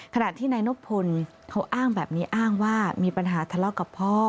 ขณะที่นายนบพลเขาอ้างแบบนี้อ้างว่ามีปัญหาทะเลาะกับพ่อ